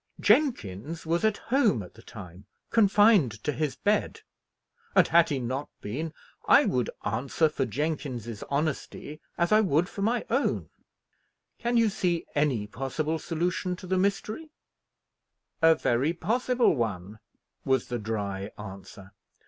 "Jenkins was at home at the time, confined to his bed; and, had he not been, I would answer for Jenkins's honesty as I would for my own. Can you see any possible solution to the mystery?" "A very possible one," was the dry answer.